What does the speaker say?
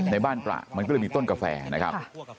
ในบ้านตลาก็มีต้นกาแฟนะครับ